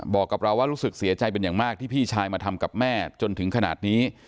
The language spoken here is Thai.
บอกกับเราว่ารู้สึกเสียใจเป็นอย่างมากที่พี่ชายมาทำกับแม่จนถึงขนาดนี้